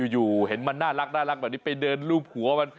อยู่เห็นมันน่ารักแบบนี้ไปเดินรูปหัวมัน